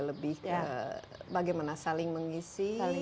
lebih bagaimana saling mengisi